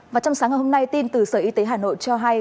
và trong sáng ngày hôm nay tin từ sở y tế hà nội cho hay